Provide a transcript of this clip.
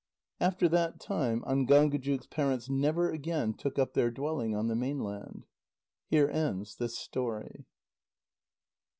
After that time, Ángángujuk's parents never again took up their dwelling on the mainland. Here ends this story.